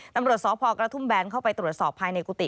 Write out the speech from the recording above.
ตำรวจสพกระทุ่มแบนเข้าไปตรวจสอบภายในกุฏิ